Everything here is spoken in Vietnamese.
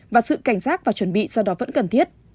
và sự cảnh giác và chuẩn bị do đó vẫn cần thiết